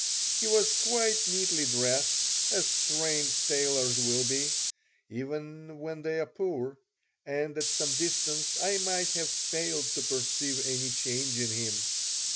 He was quite neatly dressed, as trained tailors will be, even when they are poor, and at some distance I might have failed to perceive any change in him.